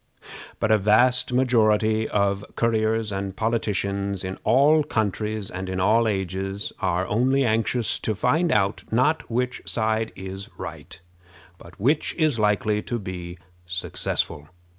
But a vast majority of courtiers and politicians in all countries and in all ages are only anxious to find out, not which side is right, but which is likely to be successful.